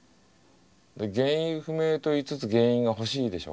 原因不明と言いつつ原因が欲しいでしょ？